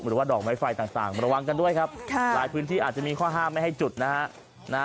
หรือว่าดอกไม้ไฟต่างระวังกันด้วยครับค่ะหลายพื้นที่อาจจะมีข้อห้ามไม่ให้จุดนะฮะ